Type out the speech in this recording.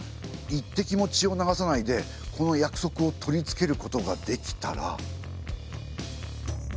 １滴も血を流さないでこの約束を取り付けることができたら。